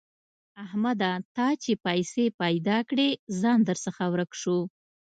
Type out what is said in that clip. احمده! تا چې پيسې پیدا کړې؛ ځان درڅخه ورک شو.